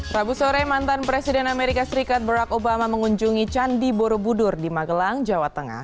rabu sore mantan presiden amerika serikat barack obama mengunjungi candi borobudur di magelang jawa tengah